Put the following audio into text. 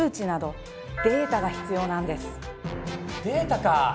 「データ」か！